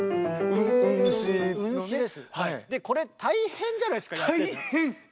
でこれ大変じゃないですかやってて。